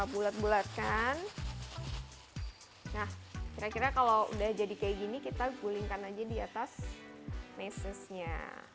bulat bulatkan nah kira kira kalau udah jadi kayak gini kita gulingkan aja di atas mesesnya